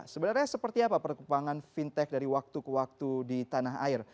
sebenarnya seperti apa perkembangan fintech dari waktu ke waktu di tanah air